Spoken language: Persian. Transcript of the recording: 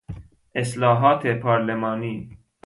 اصلاحات پارلمانی